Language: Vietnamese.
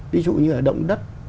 ví dụ như là động đất